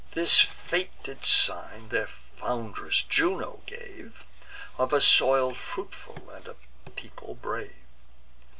This fated sign their foundress Juno gave, Of a soil fruitful, and a people brave.